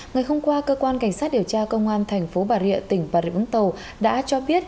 ngày hôm qua cơ quan cảnh sát điều tra công an thành phố bà rịa tỉnh bà rịa úng tàu đã cho biết